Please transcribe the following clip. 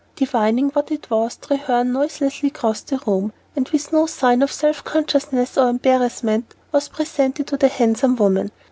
Divining what it was, Treherne noiselessly crossed the room, and with no sign of self consciousness or embarrassment, was presented to the handsome woman.